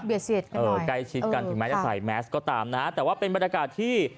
เออใกล้ชิดกันถึงแม้จะใส่แมสก็ตามนะฮะแต่ว่าเป็นบรรยากาศที่